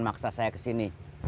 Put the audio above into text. maksa saya kesini